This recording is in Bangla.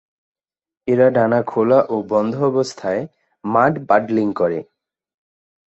এরা ডানা খোলা ও বন্ধ অবস্থায় মাড-পাডলিং করে।